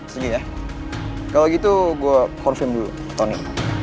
segi ya kalau gitu gue corpin dulu tony